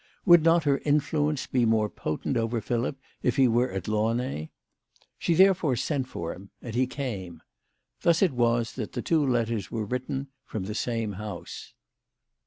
Would not her influence be more potent over Philip if he were at Launay ? She therefore sent for him, and he came. Thus it was that the two letters were written from the same house.